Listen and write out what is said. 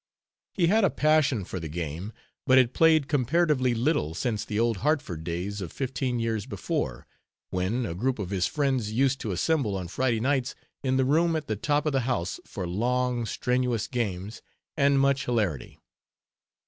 He had a passion for the game, but had played comparatively little since the old Hartford days of fifteen years before, when a group of his friends used to assemble on Friday nights in the room at the top of the house for long, strenuous games and much hilarity.